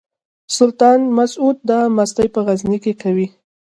سلطان مسعود دا مستي په غزني کې کوي.